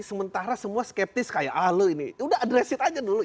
sementara semua skeptis kayak ah lu ini udah addres it aja dulu